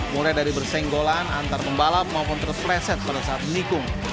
mulai dari bersenggolan antar pembalap maupun terpleset pada saat menikung